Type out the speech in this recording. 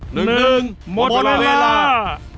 หมดเวลา